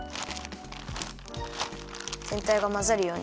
ぜんたいがまざるように。